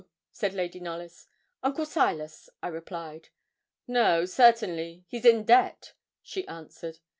said Lady Knollys. 'Uncle Silas,' I replied. 'No, certainly; he's in debt,' she answered.